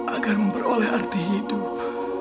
agar memperoleh arti hidup